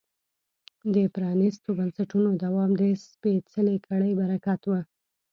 د پرانیستو بنسټونو دوام د سپېڅلې کړۍ برکت و.